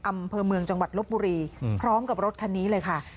อำเภอเมืองจังหวัดลบบุรีพร้อมกับรถคันนี้เลยค่ะ